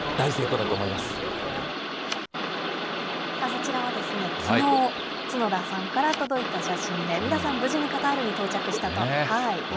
そちらはきのう、角田さんから届いた写真で、皆さん無事にカタールに到着したということです。